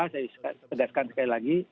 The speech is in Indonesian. saya sedarkan sekali lagi